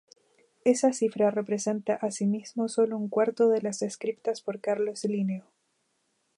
Esa cifra representa asimismo solo un cuarto de las descriptas por Carlos Linneo.